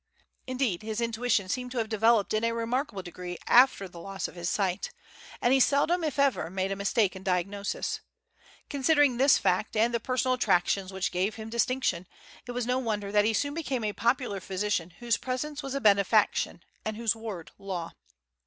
Indeed, his intuition seemed to have developed in a remarkable degree after the loss of his sight, and he seldom, if ever, made a mistake in diagnosis. Considering this fact, and the personal attractions which gave him distinction, it was no wonder that he soon became a popular physician whose presence was a benefaction and whose word law.